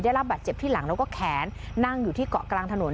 ได้รับบาดเจ็บที่หลังแล้วก็แขนนั่งอยู่ที่เกาะกลางถนน